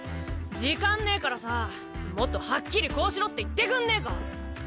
時間ねえからさもっとはっきりこうしろって言ってくんねえか？